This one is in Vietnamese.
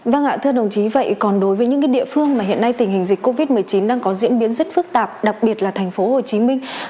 vâng ạ thưa đồng chí vậy còn đối với những địa phương mà hiện nay tình hình dịch covid một mươi chín đang có diễn biến rất phức tạp đặc biệt là thành phố hồ chí minh